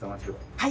はい。